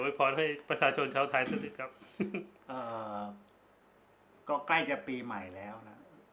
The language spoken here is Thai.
โว้ยพรให้ประสาทชนชาวไทยสะดิดครับเอ่อก็ใกล้จะปีใหม่แล้วน่ะ